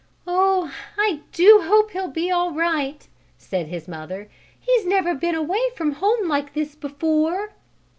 "Oh, I do hope he'll be all right!" said his mother. "He's never been away from home like this before!"